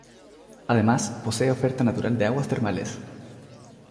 Además posee oferta natural de aguas termales.